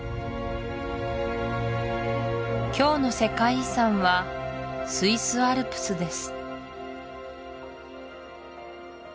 今日の「世界遺産」はスイス・アルプスです